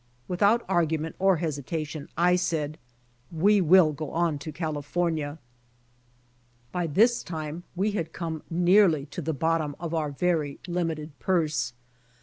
Without argument or hesitation, I said, "We will go on to California."^ By this time Ave had come nearly to the bottom of our very lini!ited purse.